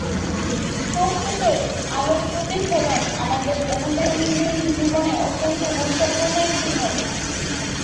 স্পষ্টতই আলোর প্রতিফলন আমাদের দৈনন্দিন জীবনে অত্যন্ত গুরুত্বপূর্ণ একটি ঘটনা।